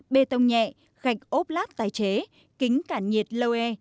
bê tông nhẹ gạch ốp lát tái chế kính cản nhiệt lô e